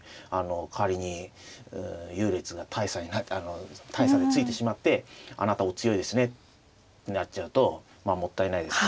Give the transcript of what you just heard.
仮に優劣が大差でついてしまって「あなたお強いですね」になっちゃうともったいないですね。